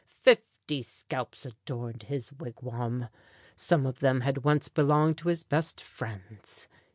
Fifty scalps adorned his wigwam. Some of them had once belonged to his best friends.